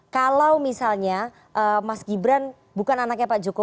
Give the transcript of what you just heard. kalau misalnya mas gibran bukan anaknya pak jokowi bisa jadi wapres